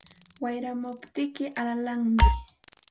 Wayramuptin alalanmi